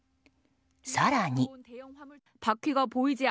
更に。